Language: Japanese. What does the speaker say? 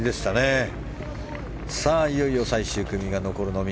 いよいよ最終組が残るのみ。